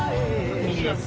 右です。